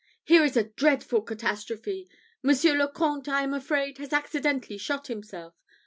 "Here is a dreadful catastrophe! Monsieur le Comte, I am afraid, has accidentally shot himself.